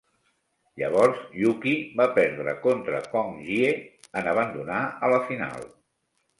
Llavors, Yuki va perdre contra Kong Jie en abandonar a la final.